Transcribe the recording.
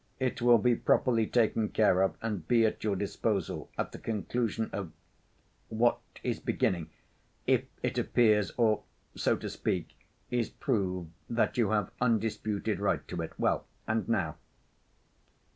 It will be properly taken care of and be at your disposal at the conclusion of ... what is beginning ... if it appears, or, so to speak, is proved that you have undisputed right to it. Well, and now...."